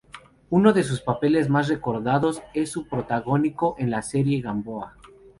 Uno de sus papeles más recordados es su protagónico en la serie "Gamboa".